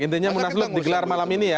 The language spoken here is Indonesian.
intinya munaslup digelar malam ini ya